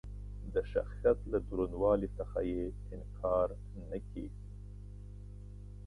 د شخصیت له دروندوالي څخه یې انکار نه کېږي.